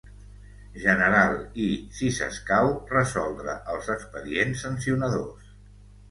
General i, si s'escau, resoldre els expedients sancionadors.